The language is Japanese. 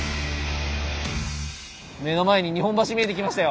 目の前に日本橋見えてきましたよ。